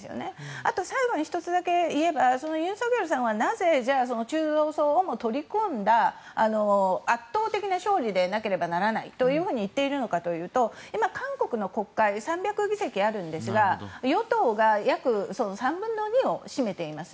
あと、最後に１つだけユン・ソクヨルさんはなぜ中道層をも取り込んだ圧倒的な勝利でなければならないと言っているのかというと今、韓国の国会は３００議席あるんですが与党が約３分の２を占めています。